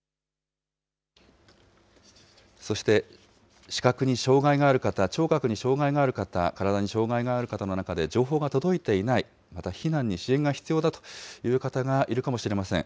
そして、視覚に障害がある方、聴覚に障害がある方、体に障害がある方の中で情報が届いていない、また避難に支援が必要だという方がいるかもしれません。